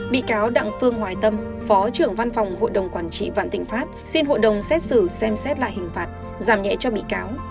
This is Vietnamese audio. bị cáo đặng phương hoài tâm phó trưởng văn phòng hội đồng quản trị vạn thịnh pháp xin hội đồng xét xử xem xét lại hình phạt giảm nhẹ cho bị cáo